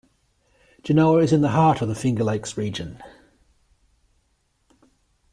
Genoa is in the heart of the Finger Lakes region.